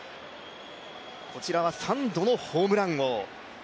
こちらは、３度のホームラン王。